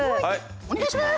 お願いします。